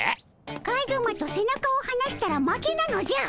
カズマと背中をはなしたら負けなのじゃ。